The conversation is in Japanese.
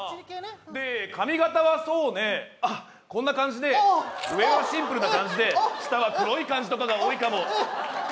髪形はそうねこんな感じで、上はシンプルな感じで下は黒い感じとかが多いかも。